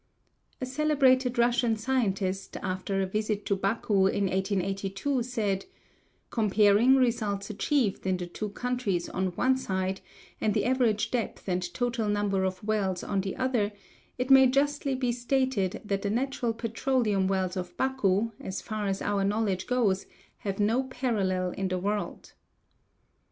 '" A celebrated Russian scientist, after a visit to Baku in 1882, said: "Comparing results achieved in the two countries on one side and the average depth and total number of wells on the other, it may justly be stated that the natural petroleum wells of Baku, as far as our knowledge goes, have no parallel in the world."